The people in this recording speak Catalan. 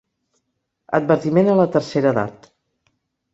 Advertiment a la tercera edat.